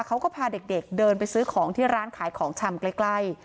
เขาก็พาเด็กเดินไปซื้อของที่ร้านขายของชำใกล้